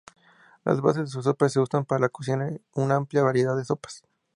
Las bases de sopa se usan para cocinar una amplia variedad de sopas.